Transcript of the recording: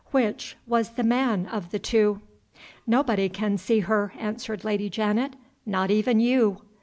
Which was the Man of the two? "Nobody can see her," answered Lady Janet. "Not even you!"